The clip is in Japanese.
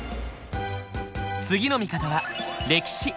次の見方は歴史。